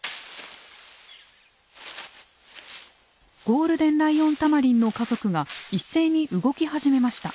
ゴールデンライオンタマリンの家族が一斉に動き始めました。